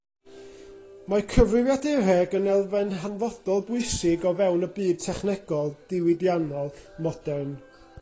Mae cyfrifiadureg yn elfen hanfodol bwysig o fewn y byd technolegol, diwydiannol modern.